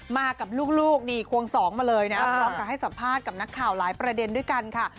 มากับลูกนี่ควงสองมาเลยนะพร้อมกับให้สัมภาษณ์กับนักข่าวหลายประเด็นด้วยกันค่ะ